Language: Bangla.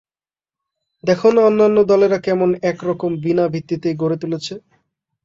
দেখ না অন্যান্য দলেরা কেমন এক রকম বিনা ভিত্তিতেই গড়ে তুলেছে।